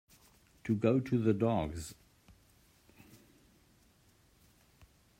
To go to the dogs.